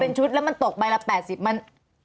พอเป็นชุดแล้วมันตกใบละ๘๐มัน